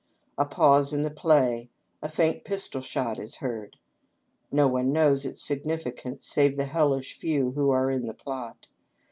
A pause in the play — a faint pistol shot is heard. No one knows its significance save the hellish few who are in the plot.